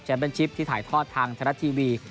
ชัมเป็นชิปที่ถ่ายทอดทางทะลัดทีวี